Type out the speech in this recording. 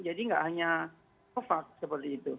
jadi nggak hanya novavax seperti itu